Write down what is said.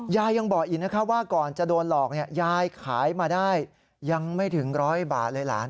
ยังบอกอีกนะคะว่าก่อนจะโดนหลอกยายขายมาได้ยังไม่ถึงร้อยบาทเลยหลาน